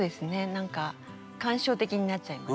何か感傷的になっちゃいますよね。